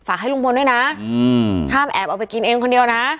ให้ลุงพลด้วยนะห้ามแอบเอาไปกินเองคนเดียวนะ